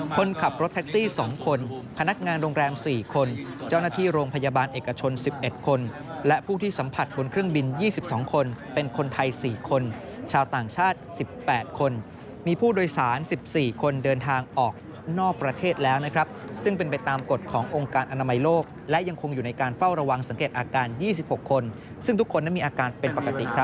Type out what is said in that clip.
คนขับรถแท็กซี่๒คนพนักงานโรงแรม๔คนเจ้าหน้าที่โรงพยาบาลเอกชน๑๑คนและผู้ที่สัมผัสบนเครื่องบิน๒๒คนเป็นคนไทย๔คนชาวต่างชาติ๑๘คนมีผู้โดยสาร๑๔คนเดินทางออกนอกประเทศแล้วนะครับซึ่งเป็นไปตามกฎขององค์การอนามัยโลกและยังคงอยู่ในการเฝ้าระวังสังเกตอาการ๒๖คนซึ่งทุกคนนั้นมีอาการเป็นปกติ